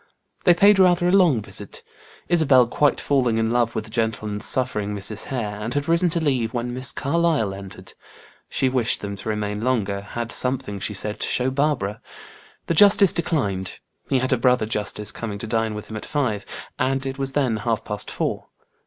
They paid rather a long visit, Isabel quite falling in love with the gentle and suffering Mrs. Hare, and had risen to leave when Miss Carlyle entered. She wished them to remain longer had something, she said, to show Barbara. The justice declined; he had a brother justice coming to dine with him at five, and it was then half past four.